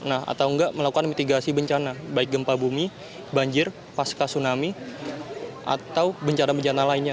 atau enggak melakukan mitigasi bencana baik gempa bumi banjir pasca tsunami atau bencana bencana lainnya